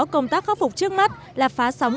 công tác khắc phục trước mắt là phá sóng